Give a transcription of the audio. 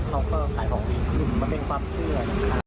เขาก็ขายของพี่ขึ้นมาเป็นความเชื่อ